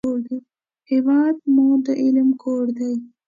هېواد مو د علم کور دی